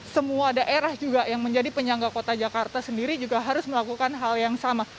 semua daerah juga yang menjadi penyangga kota jakarta sendiri juga harus melakukan hal yang sama